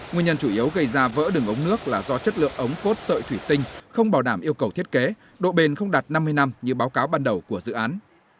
nguyên nhân chủ yếu gây ra vỡ đường ống nước là do chất lượng ống cốt sợi thủy tinh không bảo đảm yêu cầu thiết kế độ bền không đạt năm mươi năm như báo cáo ban đầu của dự án